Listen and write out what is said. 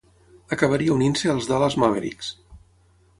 Acabaria unint-se als Dallas Mavericks.